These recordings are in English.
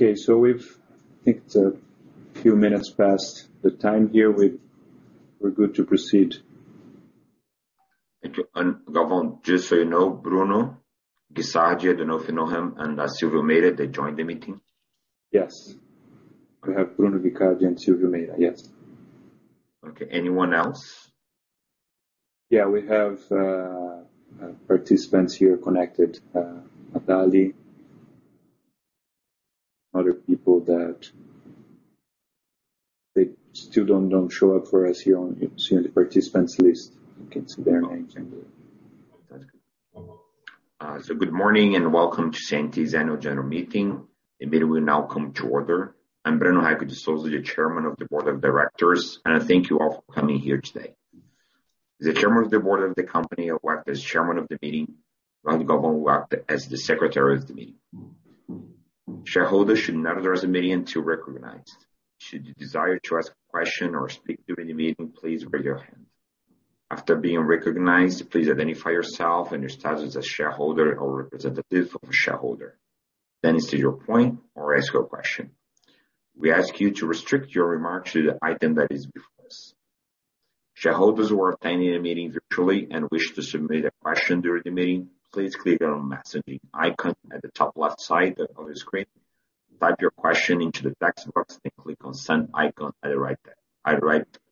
I think it's a few minutes past the time here. We're good to proceed. Thank you. Gavin, just so you know, Bruno Guicardi, I don't know if you know him, and Silvio Meira, they joined the meeting. Yes. We have Bruno Guicardi and Silvio Meira, yes. Okay. Anyone else? Yeah, we have participants here connected, Natalie, other people that they still don't show up for us here on, you see on the participants list. You can see their names. Okay. That's good. Good morning and welcome to CI&T's annual general meeting. The meeting will now come to order. I'm Brenno Raiko de Souza, the Chairman of the Board of Directors, and I thank you all for coming here today. As the Chairman of the Board of the company, I'll act as Chairman of the meeting, while Gavin will act as the secretary of the meeting. Shareholders should not address the meeting until recognized. Should you desire to ask a question or speak during the meeting, please raise your hand. After being recognized, please identify yourself and your status as shareholder or representative of a shareholder. Then state your point or ask your question. We ask you to restrict your remarks to the item that is before us. Shareholders who are attending the meeting virtually and wish to submit a question during the meeting, please click on messaging icon at the top left side of your screen. Type your question into the text box, then click on send icon at the right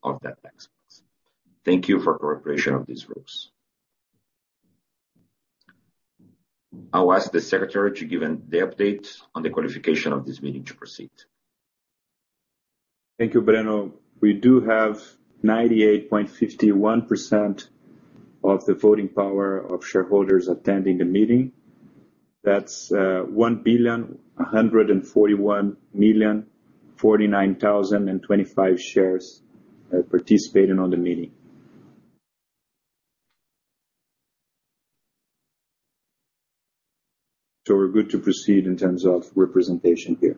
of that text box. Thank you for cooperation of these rules. I'll ask the secretary to give the update on the qualification of this meeting to proceed. Thank you, Brenno. We do have 98.51% of the voting power of shareholders attending the meeting. That's 1,141,049,025 shares participating on the meeting. We're good to proceed in terms of representation here.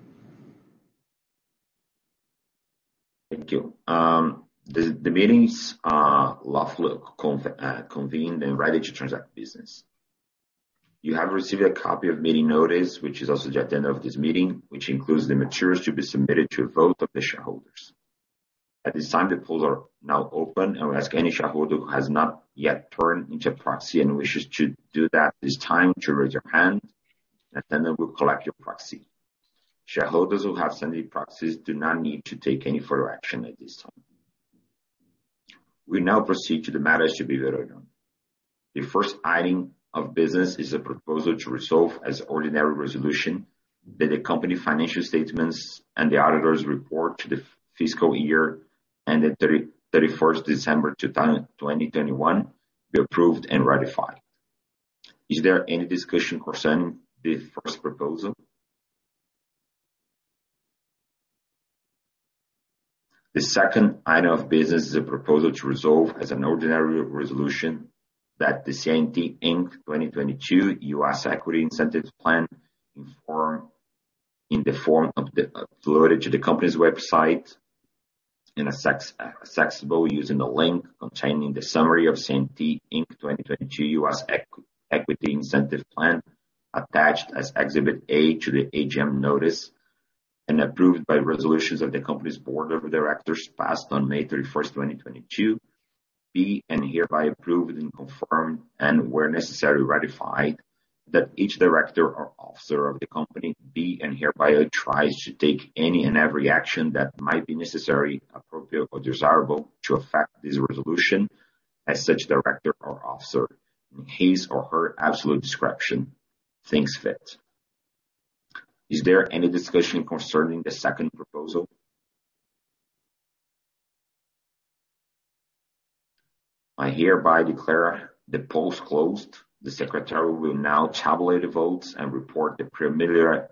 Thank you. The meetings are lawfully convened and ready to transact business. You have received a copy of meeting notice, which is also the agenda of this meeting, which includes the materials to be submitted to vote of the shareholders. At this time, the polls are now open. I'll ask any shareholder who has not yet turned in their proxy and wishes to do that, it is time to raise your hand, and then I will collect your proxy. Shareholders who have sent in proxies do not need to take any further action at this time. We now proceed to the matters to be voted on. The first item of business is a proposal to resolve as ordinary resolution that the company financial statements and the auditor's report for the fiscal year ended 31 December 2021 be approved and ratified. Is there any discussion concerning the first proposal? The second item of business is a proposal to resolve as an ordinary resolution that the CI&T Inc. 2022 U.S. Equity Incentive Plan, in the form uploaded to the company's website and accessible using the link containing the summary of CI&T Inc. 2022 U.S. Equity Incentive Plan, attached as Exhibit A to the AGM notice and approved by resolutions of the company's Board of Directors passed on May 31, 2022, be and hereby approved and confirmed, and where necessary, ratified that each director or officer of the company be and hereby authorized to take any and every action that might be necessary, appropriate or desirable to effect this resolution as such director or officer in his or her absolute discretion thinks fit. Is there any discussion concerning the second proposal? I hereby declare the polls closed. The secretary will now tabulate the votes and report the preliminary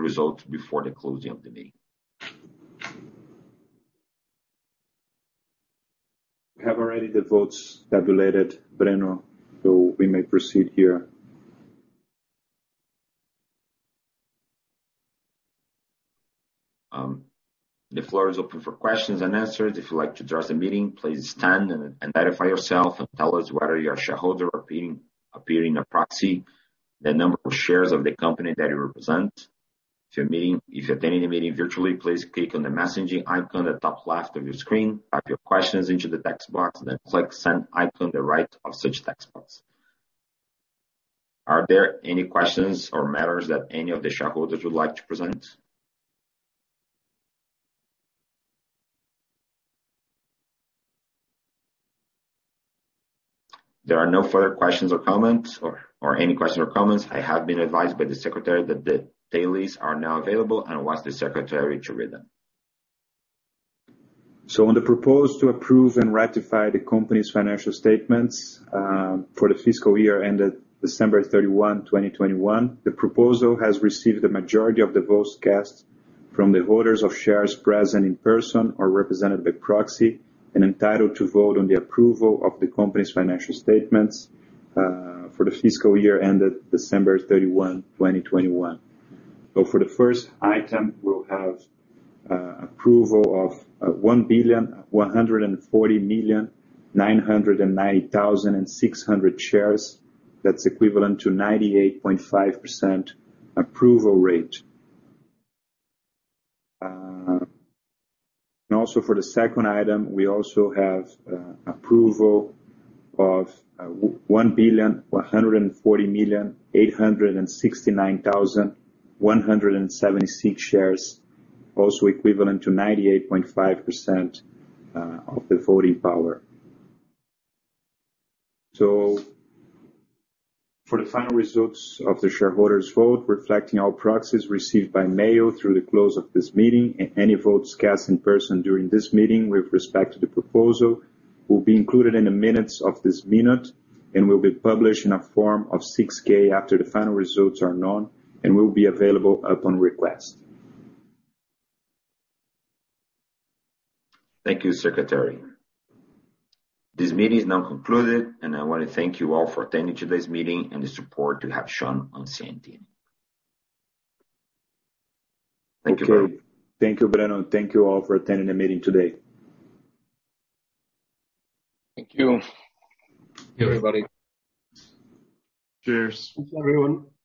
results before the closing of the meeting. We have already the votes tabulated, Brenno, so we may proceed here. The floor is open for questions and answers. If you'd like to address the meeting, please stand and identify yourself and tell us whether you're a shareholder appearing on proxy, the number of shares of the company that you represent. If attending the meeting virtually, please click on the messaging icon at top left of your screen. Type your questions into the text box, then click send icon on the right of such text box. Are there any questions or matters that any of the shareholders would like to present? There are no further questions or comments. I have been advised by the secretary that the tallies are now available, and I'll ask the secretary to read them. On the proposal to approve and ratify the company's financial statements for the fiscal year ended 31 December 2021, the proposal has received the majority of the votes cast from the holders of shares present in person or represented by proxy and entitled to vote on the approval of the company's financial statements for the fiscal year ended 31 December 2021. For the first item, we'll have approval of 1,140,990,600 shares. That's equivalent to 98.5% approval rate. And also, for the second item, we also have approval of 1,140,869,176 shares, also equivalent to 98.5% of the voting power. For the final results of the shareholders vote, reflecting all proxies received by mail through the close of this meeting, and any votes cast in person during this meeting with respect to the proposal, will be included in the minutes of this meeting, and will be published in a Form 6-K after the final results are known, and will be available upon request. Thank you, Secretary. This meeting is now concluded, and I wanna thank you all for attending today's meeting and the support you have shown on CI&T. Thank you. Okay. Thank you, Breno. Thank you all for attending the meeting today. Thank you. Thank you, everybody. Cheers. Thanks, everyone.